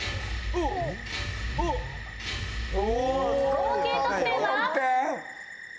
合計得点は？